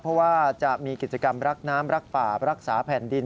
เพราะว่าจะมีกิจกรรมรักน้ำรักป่ารักษาแผ่นดิน